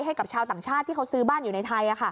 ให้กับชาวต่างชาติที่เขาซื้อบ้านอยู่ในไทย